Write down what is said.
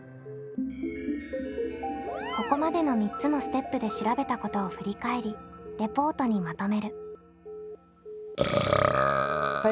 ここまでの３つのステップで調べたことを振り返りレポートにまとめる。